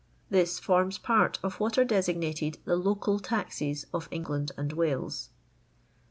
This forms part of what are designated the Local Taxes of England and Wales.